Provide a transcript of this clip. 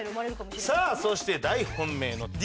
さあそして大本命のＤ。